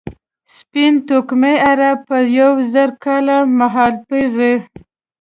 سپین توکمي عرب په یو زر کال مهالپېر کې.